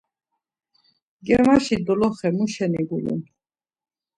Germaşi doloxe muşeni gulun?